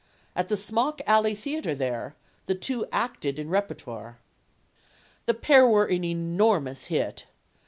At the Smock Alley Theater there, the two acted in repertoire. The pair were an enormous hit.